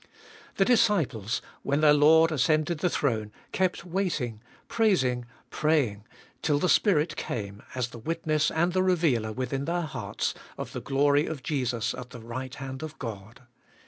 The disciples, when their Lord ascended the throne, 388 abe Iboliest of BU kept waiting, praising, praying, till the Spirit came as the witness and the revealer within their hearts of the glory of Jesus at the right hand of God.